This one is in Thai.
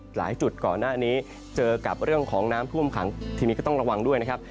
จุดก่อนหน้านี้เจอกับเรื่องของน้ำท่วมขังทีนี้ก็ต้องระวังด้วยนะครับ